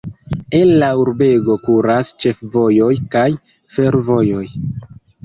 El la urbego kuras ĉefvojoj kaj fervojoj.